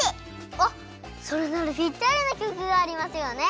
あっそれならぴったりのきょくがありますよね！